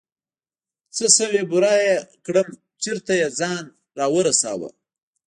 څه سوې بوره يې كړم چېرته يې ځان راورسوه.